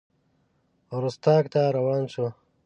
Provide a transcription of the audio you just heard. رُستاق ته روان شو.